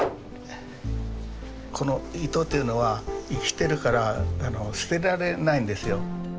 この糸というのは生きてるから捨てられないんですよ。